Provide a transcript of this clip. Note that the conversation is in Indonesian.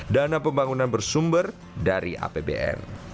dana pembangunan bersumber dari apbn